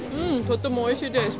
とってもおいしいです。